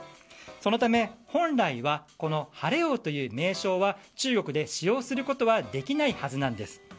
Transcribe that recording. そのため本来は晴王という名称は中国で使用することはできないはずなんです。